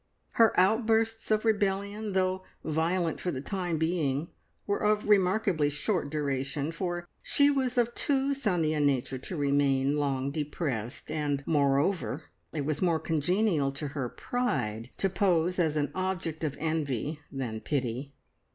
Her outbursts of rebellion, though violent for the time being, were of remarkably short duration, for she was of too sunny a nature to remain long depressed, and moreover it was more congenial to her pride to pose as an object of envy than pity.